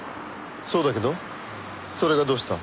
そうだけどそれがどうした？